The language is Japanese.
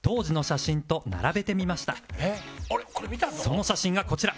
その写真がこちら